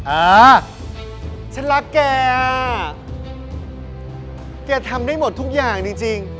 อ่าฉันรักแกแกทำได้หมดทุกอย่างจริง